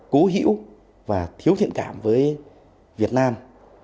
cố hiểu và thiếu thiện cảm với việt nam